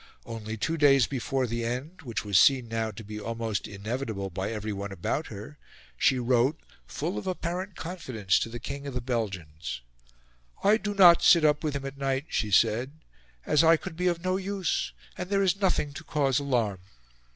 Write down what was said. Only two days before the end, which was seen now to be almost inevitable by everyone about her, she wrote, full of apparent confidence, to the King of the Belgians: "I do not sit up with him at night," she said, "as I could be of no use; and there is nothing to cause alarm."